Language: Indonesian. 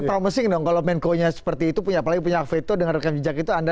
promising dong kalau menko nya seperti itu punya apalagi punya veto dengan rekam jejak itu anda